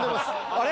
あれ？